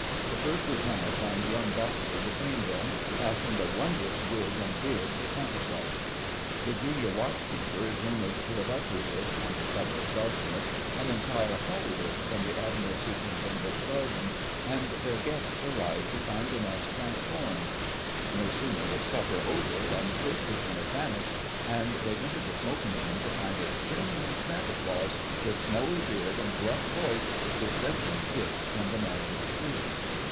The First Lieutenant and Young Doctor between them fashioned a wondrous wig and beard for Santa Claus. The Junior Watch keeper is rumoured to have uprooted (under cover of darkness) an entire holly bush from the Admiral Superintendent's garden, and their guests arrived to find the Mess transformed. No sooner was supper over than the First Lieutenant vanished, and they entered the smoking room to find a genuine Santa Claus, with snowy beard and gruff voice, dispensing gifts from the magic tree.